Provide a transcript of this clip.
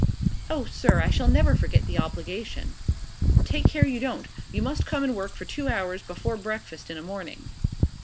"Oh, sir! I shall never forget the obligation." "Take care you don't. You must come and work for two hours before breakfast in a morning."